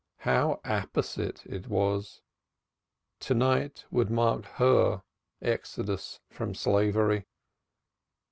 How apposite it was! To night would mark her exodus from slavery.